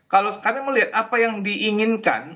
kalau kami melihat apa yang diinginkan